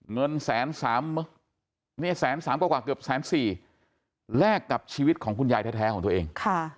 เงิน๑๓๐๐๐๐บวกกว่าเกือบ๑๔๐๐๐๐บวกแลกกับชีวิตของคุณยายแท้ของตัวเอง